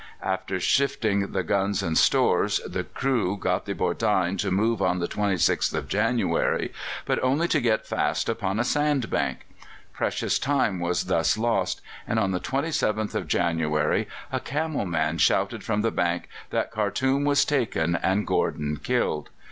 After shifting the guns and stores, the crew got the Bordein to move on the 26th of January, but only to get fast upon a sand bank. Precious time was thus lost, and on the 27th of January a camel man shouted from the bank that Khartoum was taken and Gordon killed.